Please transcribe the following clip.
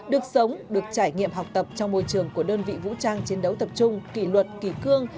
được sống được trải nghiệm học tập trong môi trường của đơn vị vũ trang chiến đấu tập trung kỷ luật kỳ cương